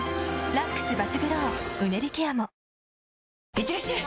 いってらっしゃい！